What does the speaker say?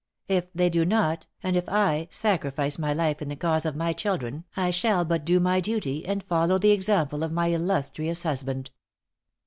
If they do not, and if I [sacrifice] my life in the cause of my children, I shall but do my duty, and follow the example of my illustrious husband."